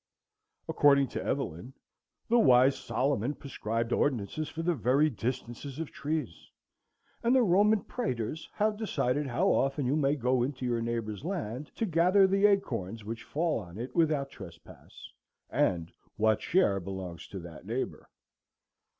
According to Evelyn, "the wise Solomon prescribed ordinances for the very distances of trees; and the Roman prætors have decided how often you may go into your neighbor's land to gather the acorns which fall on it without trespass, and what share belongs to that neighbor."